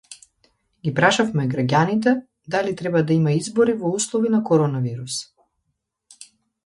Ги прашавме граѓаните, дали треба да има избори во услови на коронавирус